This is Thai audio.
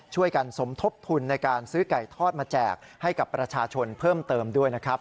สมทบทุนในการซื้อไก่ทอดมาแจกให้กับประชาชนเพิ่มเติมด้วยนะครับ